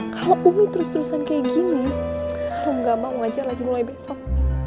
kalau umi terus terusan kayak gini kalau gak mau ngajar lagi mulai besok